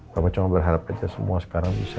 kalau cuma berharap aja semua sekarang bisa